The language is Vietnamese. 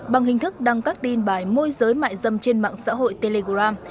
bằng hình thức đăng các tin bài môi giới mại dâm trên mạng xã hội telegram